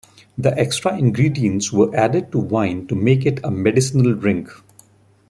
The extra ingredients were added to wine to make it a medicinal drink.